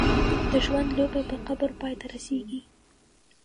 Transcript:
د ژوند لوبه په قبر پای ته رسېږي.